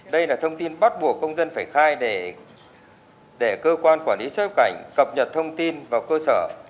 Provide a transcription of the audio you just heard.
đây là thông tin bắt buộc công dân phải khai để cơ quan quản lý xuất nhập cảnh cập nhật thông tin vào cơ sở